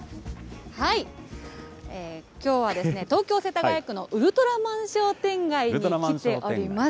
きょうはですね、東京・世田谷区のウルトラマン商店街に来ております。